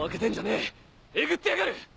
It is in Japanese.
えぐってやがる！